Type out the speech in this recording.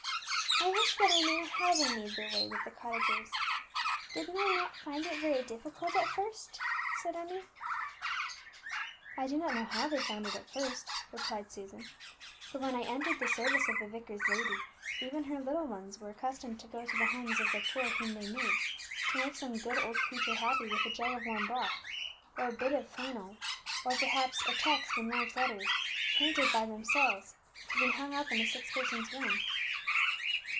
"I wish that I knew how they made their way with the cottagers. Did they not find it very difficult at first?" asked Emmie. "I do not know how they found it at first," replied Susan; "for when I entered the service of the vicar's lady, even her little ones were accustomed to go to the homes of the poor whom they knew, to make some good old creature happy with a jug of warm broth, or a bit of flannel, or, perhaps, a text in large letters, painted by themselves, to be hung up in a sick person's room."